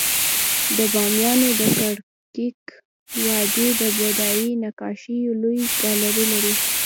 د بامیانو د ککرک وادی د بودایي نقاشیو لوی ګالري لري